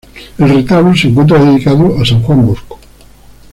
El retablo se encuentra dedicado a san Juan Bosco.